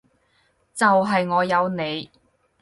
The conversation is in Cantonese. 就係我有你